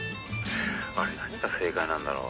「あれ何が正解なんだろう？